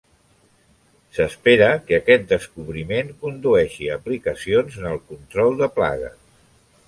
S'espera que aquest descobriment condueixi a aplicacions en el control de plagues.